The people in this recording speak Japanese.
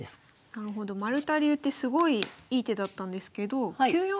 なるほど丸田流ってすごいいい手だったんですけど９四